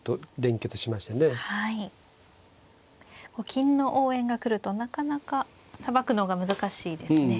金の応援が来るとなかなかさばくのが難しいですね。